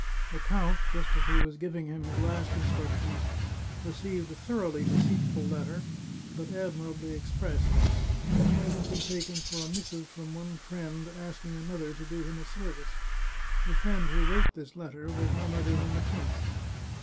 The count, just as he was giving him his last instructions, re ceived a thoroughly deceitful letter, but admirably expressed. It might have been taken for a missive from one friend, ask ing another to do him a service. The friend who wrote this letter was none other than the prince.